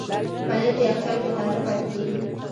پنېر په یخچال کې تازه پاتې کېږي.